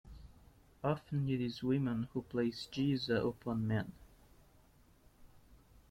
Often it is women who place "geasa" upon men.